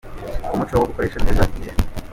Ku muco wo gukoresha neza igihe.